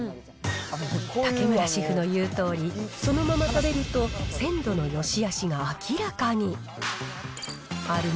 竹村シェフの言うとおり、そのまま食べると鮮度のよしあしが明らかに。